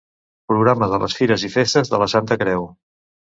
Programa de les Fires i Festes de la Santa Creu.